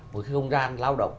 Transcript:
một cái không gian lao động